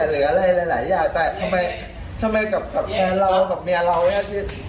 หรืออะไรหลายหลายอย่างแต่ทำไมทำไมกับแคลร์เรากับแม่เราน่ะ